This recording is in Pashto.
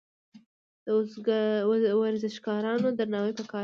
د ورزشکارانو درناوی پکار دی.